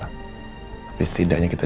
orang lah tapi setidaknya kita